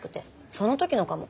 その時のかも。